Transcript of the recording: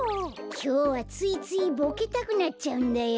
きょうはついついボケたくなっちゃうんだよ。